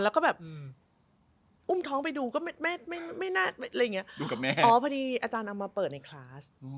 แล้วก็แบบอุ้มท้องไปดูก็ไม่น่าพอดีอาจารย์เอามาเปิดในคลาส